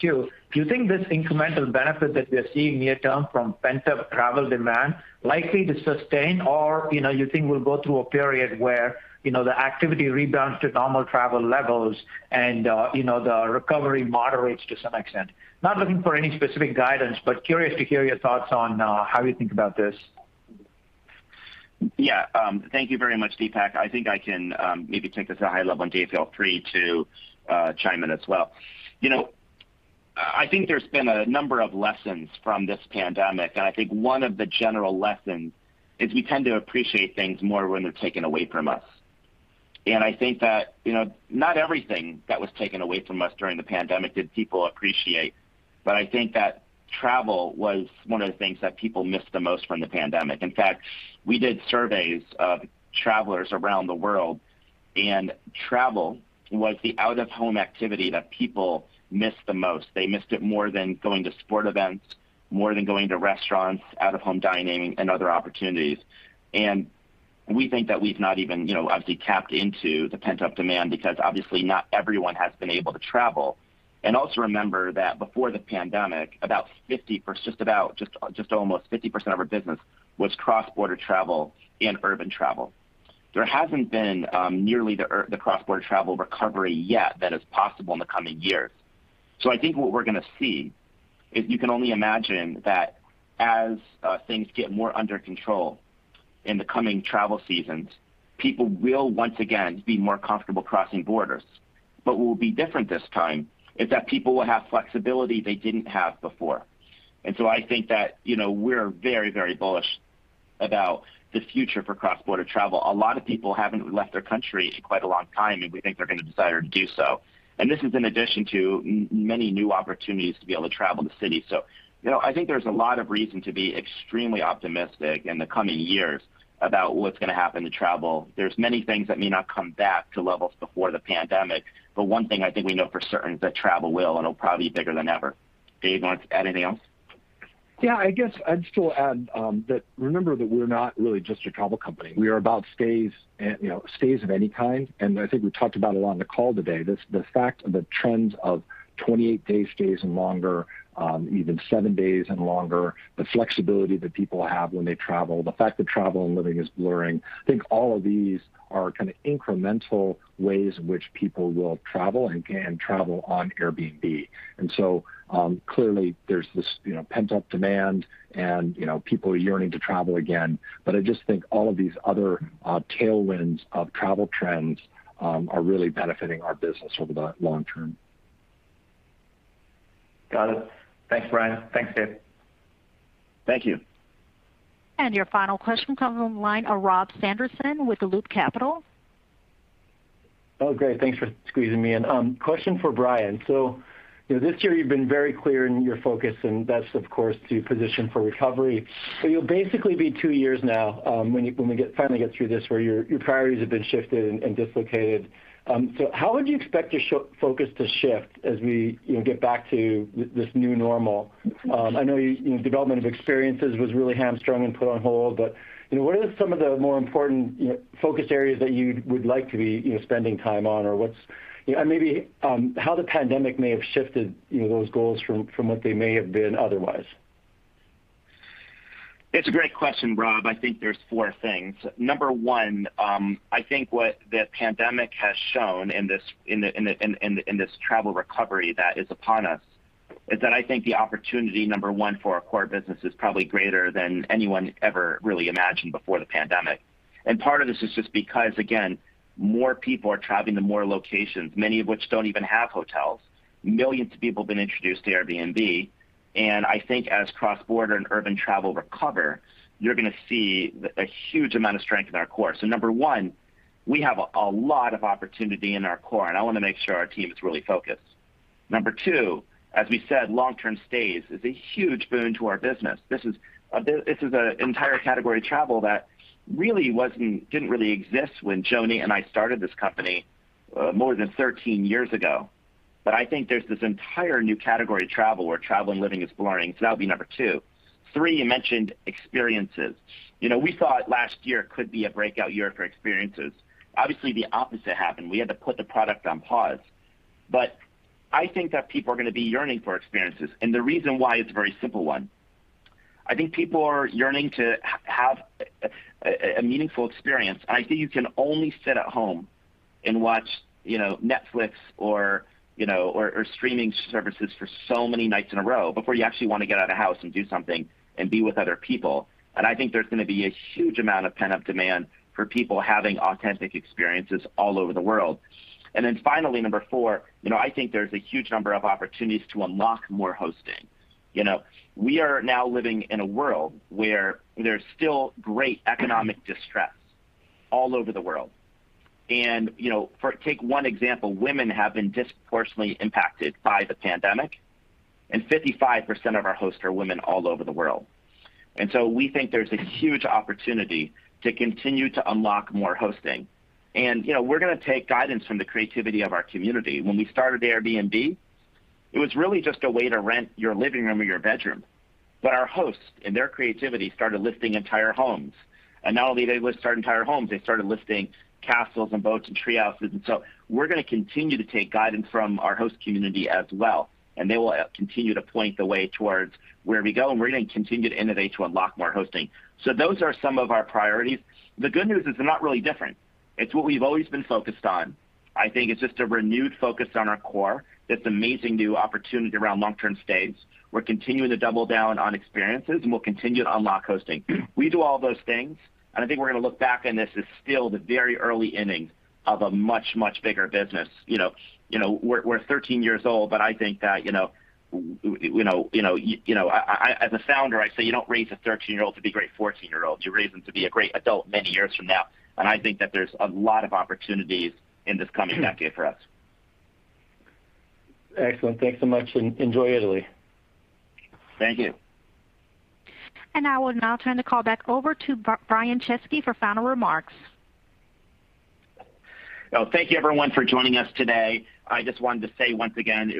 do you think this incremental benefit that we are seeing near-term from pent-up travel demand likely to sustain or you think we'll go through a period where the activity rebounds to normal travel levels and the recovery moderates to some extent? Not looking for any specific guidance, but curious to hear your thoughts on how you think about this. Yeah. Thank you very much, Deepak. I think I can maybe take this at a high level, and Dave feel free to chime in as well. I think there's been a number of lessons from this pandemic, and I think one of the general lessons is we tend to appreciate things more when they're taken away from us. I think that, not everything that was taken away from us during the pandemic did people appreciate, but I think that travel was one of the things that people missed the most from the pandemic. In fact, we did surveys of travelers around the world, and travel was the out-of-home activity that people missed the most. They missed it more than going to sport events, more than going to restaurants, out-of-home dining, and other opportunities. We think that we've not even obviously tapped into the pent-up demand because obviously not everyone has been able to travel. Also remember that before the pandemic, just almost 50% of our business was cross-border travel and urban travel. There hasn't been nearly the cross-border travel recovery yet that is possible in the coming years. I think what we're going to see is you can only imagine that as things get more under control in the coming travel seasons, people will once again be more comfortable crossing borders. What will be different this time is that people will have flexibility they didn't have before. I think that, we're very bullish about the future for cross-border travel. A lot of people haven't left their country in quite a long time, and we think they're going to desire to do so. This is in addition to many new opportunities to be able to travel the city. I think there's a lot of reason to be extremely optimistic in the coming years about what's going to happen to travel. There's many things that may not come back to levels before the pandemic, but one thing I think we know for certain is that travel will, and it'll probably be bigger than ever. Dave, you want to add anything else? I guess I'd still add that remember that we're not really just a travel company. We are about stays of any kind, and I think we talked about it on the call today, the fact of the trends of 28-day stays and longer, even seven days and longer, the flexibility that people have when they travel, the fact that travel and living is blurring. I think all of these are kind of incremental ways in which people will travel and can travel on Airbnb. Clearly there's this pent-up demand and people are yearning to travel again. I just think all of these other tailwinds of travel trends are really benefiting our business over the long term. Got it. Thanks, Brian. Thanks, Dave. Thank you. Your final question comes on the line of Rob Sanderson with Loop Capital. Oh, great. Thanks for squeezing me in. Question for Brian. This year you've been very clear in your focus, and that's of course to position for recovery. You'll basically be two years now, when we finally get through this, where your priorities have been shifted and dislocated. How would you expect your focus to shift as we get back to this new normal? I know development of Airbnb Experiences was really hamstrung and put on hold, but what are some of the more important focus areas that you would like to be spending time on? Maybe how the pandemic may have shifted those goals from what they may have been otherwise. It's a great question, Rob. I think there's four things. Number one, I think what the pandemic has shown in this travel recovery that is upon us, is that I think the opportunity, number one, for our core business is probably greater than anyone ever really imagined before the pandemic. Part of this is just because, again, more people are traveling to more locations, many of which don't even have hotels. Millions of people have been introduced to Airbnb, and I think as cross-border and urban travel recover, you're going to see a huge amount of strength in our core. Number one, we have a lot of opportunity in our core, and I want to make sure our team is really focused. Number two, as we said, long-term stays is a huge boon to our business. This is an entire category of travel that really didn't exist when Joe and I started this company more than 13 years ago. I think there's this entire new category of travel where travel and living is blurring. That would be number two. Three, you mentioned experiences. We thought last year could be a breakout year for experiences. Obviously, the opposite happened. We had to put the product on pause, but I think that people are going to be yearning for experiences, and the reason why is a very simple one. I think people are yearning to have a meaningful experience. I think you can only sit at home and watch Netflix or streaming services for so many nights in a row before you actually want to get out of the house and do something and be with other people. I think there's going to be a huge amount of pent-up demand for people having authentic experiences all over the world. Then finally, number four, I think there's a huge number of opportunities to unlock more hosting. We are now living in a world where there's still great economic distress all over the world. Take one example, women have been disproportionately impacted by the pandemic, and 55% of our hosts are women all over the world. So we think there's a huge opportunity to continue to unlock more hosting. We're going to take guidance from the creativity of our community. When we started Airbnb, it was really just a way to rent your living room or your bedroom. Our hosts, in their creativity, started listing entire homes. Not only did they list their entire homes, they started listing castles and boats and tree houses. We're going to continue to take guidance from our host community as well. They will continue to point the way towards where we go. We're going to continue to innovate to unlock more hosting. Those are some of our priorities. The good news is they're not really different. It's what we've always been focused on. I think it's just a renewed focus on our core, this amazing new opportunity around long-term stays. We're continuing to double down on Experiences. We'll continue to unlock hosting. We do all those things. I think we're going to look back on this as still the very early innings of a much, much bigger business. We're 13 years old. I think that, as a founder, I say you don't raise a 13-year-old to be a great 14-year-old. You raise them to be a great adult many years from now. I think that there's a lot of opportunities in this coming decade for us. Excellent. Thanks so much, and enjoy Italy. Thank you. I will now turn the call back over to Brian Chesky for final remarks. Well, thank you everyone for joining us today. I just wanted to say, once again,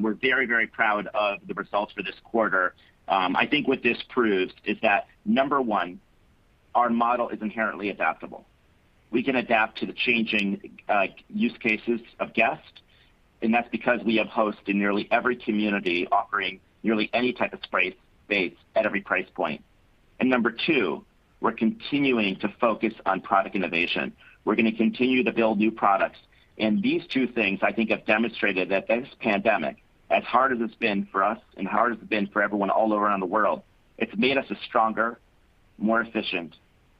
we're very proud of the results for this quarter. I think what this proves is that, number one, our model is inherently adaptable. We can adapt to the changing use cases of guests, that's because we have hosts in nearly every community offering nearly any type of space at every price point. Number two, we're continuing to focus on product innovation. We're going to continue to build new products. These two things, I think, have demonstrated that this pandemic, as hard as it's been for us, and hard as it's been for everyone all around the world, it's made us a stronger, more efficient,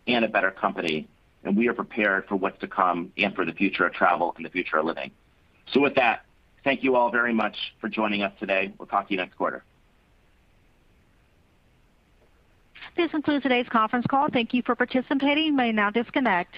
and a better company. We are prepared for what's to come and for the future of travel and the future of living. With that, thank you all very much for joining us today. We'll talk to you next quarter. This concludes today's conference call. Thank you for participating. You may now disconnect.